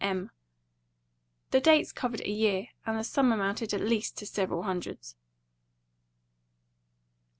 M." The dates covered a year, and the sum amounted at least to several hundreds.